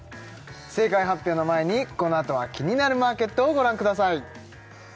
正解発表の前にこのあとは「キニナルマーケット」をご覧ください